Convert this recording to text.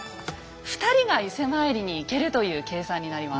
２人が伊勢参りに行けるという計算になります。